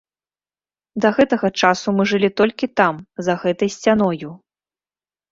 Да гэтага часу мы жылі толькі там, за гэтай сцяною.